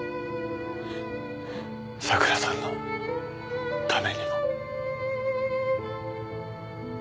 さくらさんのためにも。